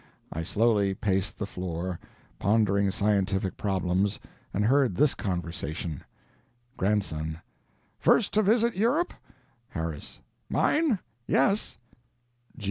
I slowly paced the floor, pondering scientific problems, and heard this conversation: GRANDSON. First visit to Europe? HARRIS. Mine? Yes.